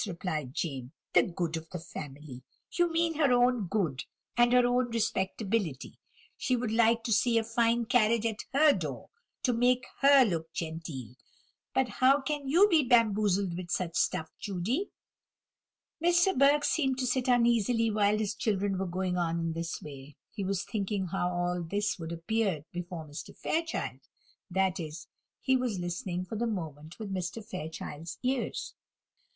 replied James; "the good of the family! you mean her own good, and her own respectability. She would like to see a fine carriage at her door, to make her look genteel; how can you be bamboozled with such stuff, Judy?" Mr. Burke seemed to sit uneasily whilst his children were going on in this way. He was thinking how all this would appear before Mr. Fairchild that is, he was listening for the moment with Mr. Fairchild's ears.